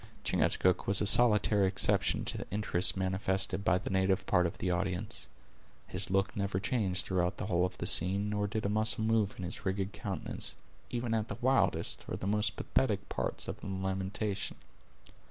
Chingachgook was a solitary exception to the interest manifested by the native part of the audience. His look never changed throughout the whole of the scene, nor did a muscle move in his rigid countenance, even at the wildest or the most pathetic parts of the lamentation.